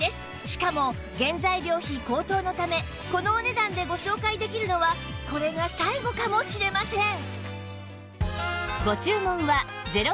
しかも原材料費高騰のためこのお値段でご紹介できるのはこれが最後かもしれません